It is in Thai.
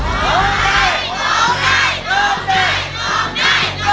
ร้องได้ร้องได้ร้องได้